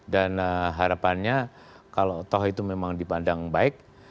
dan harapannya kalau toh itu memang dipandang baik